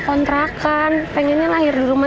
kontrakan pengennya lahir di rumah